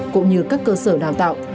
cũng như các cơ sở đào tạo